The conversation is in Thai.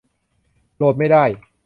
โหลดไม่ได้